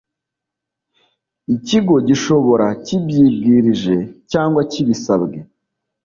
ikigo gishobora kibyibwirije cyangwa kibisabwe